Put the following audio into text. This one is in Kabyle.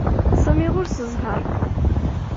Sami ɣuṛ-s ẓhaṛ.